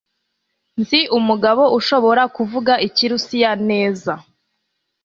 Nzi umugabo ushobora kuvuga ikirusiya neza.